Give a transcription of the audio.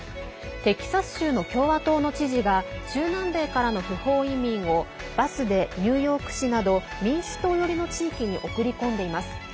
テキサス州の共和党の知事が中南米からの不法移民をバスでニューヨーク市など民主党寄りの地域に送り込んでいます。